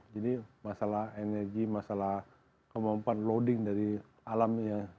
masalah energi masalah kemampuan loading dari alamnya